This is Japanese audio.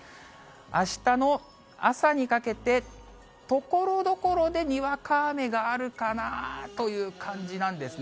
あしたの朝にかけて、ところどころでにわか雨があるかなという感じなんですね。